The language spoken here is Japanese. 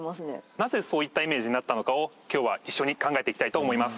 なぜそういったイメージになったのかを今日は一緒に考えていきたいと思います。